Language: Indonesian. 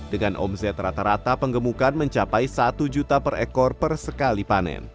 dengan omset rata rata penggemukan mencapai satu juta per ekor per sekali panen